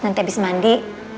nanti abis mandi